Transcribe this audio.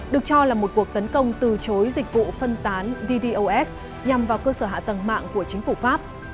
được cho là một cuộc tấn công từ chối dịch vụ phân tán ddos nhằm vào cơ sở hạ tầng mạng của chính phủ pháp